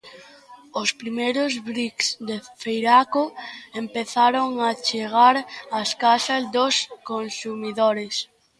Os primeiros briks de Feiraco empezaron a chegar ás casas dos consumidores.